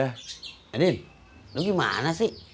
eh din lu gimana sih